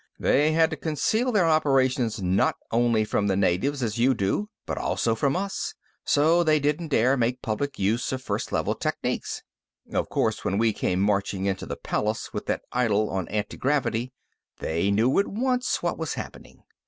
They had to conceal their operations not only from the natives, as you do, but also from us. So they didn't dare make public use of First Level techniques. "Of course, when we came marching into the palace with that idol on antigravity, they knew, at once, what was happening.